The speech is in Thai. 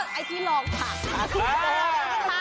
เออไอ้ฟรีรองถามฟักมันฮ่า